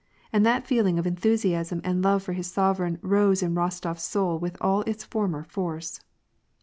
And that feeling of enthusiasm and love for his sovereign rose in Eostof s soul with all its former force.